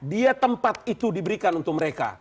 dia tempat itu diberikan untuk mereka